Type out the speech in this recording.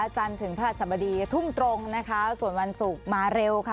จันทร์ถึงพระหัสบดีทุ่มตรงนะคะส่วนวันศุกร์มาเร็วค่ะ